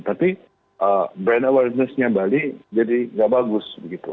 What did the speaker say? tapi brand awareness nya bali jadi tidak bagus